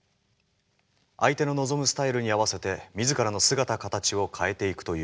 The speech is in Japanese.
相手の望むスタイルに合わせて自らの姿形を変えていくということです。